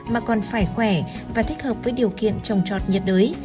mà còn phải khỏe và thích hợp với điều kiện trồng trọt nhiệt đới